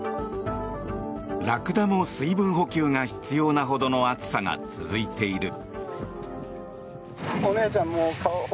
ラクダの水分補給が必要なほどの暑さが続いている。